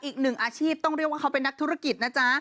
อีกหนึ่งอาชีพต้องเรียกว่าเขาเป็นนักธุรกิจนะจ๊ะ